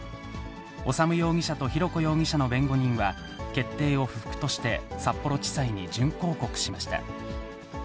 修容疑者と浩子容疑者の弁護人は、決定を不服として、札幌地裁に準抗告しました。